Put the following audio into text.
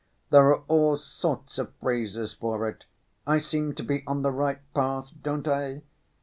There are all sorts of phrases for it. I seem to be on the right path, don't I?